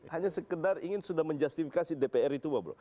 hanya sekedar ingin sudah menjustifikasi dpr itu